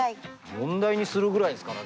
問題にするぐらいですからね